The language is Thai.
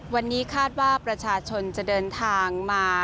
วันนี้คาดว่าประชาชนจะเดินทางมา